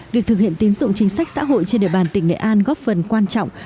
việc thực hiện tín dụng chính sách xã hội trên địa bàn tỉnh nghệ an góp phần quan trọng